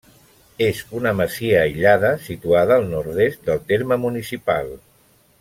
És una masia aïllada situada al nord-est del terme municipal.